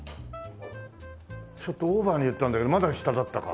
ちょっとオーバーに言ったんだけどまだ下だったか。